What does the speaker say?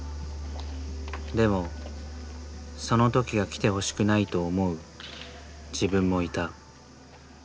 でもその時が来てほしくないと思う自分もいた。